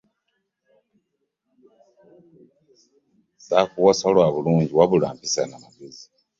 Ssaakuwasa lwa bulungi wabula mpisa na magezi.